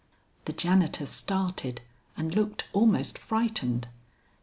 The janitor started, and looked almost frightened.